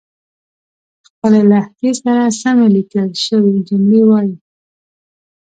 خپلې لهجې سره سمې ليکل شوې جملې وايئ